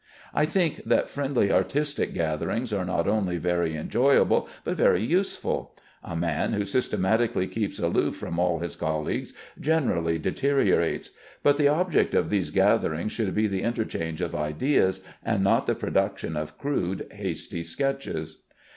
I think that friendly artistic gatherings are not only very enjoyable but very useful. A man who systematically keeps aloof from all his colleagues, generally deteriorates; but the object of these gatherings should be the interchange of ideas, and not the production of crude, hasty sketches.